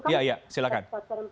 ya ya silahkan